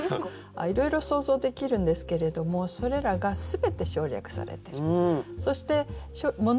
いろいろ想像できるんですけれどもそれらが全て省略されてる。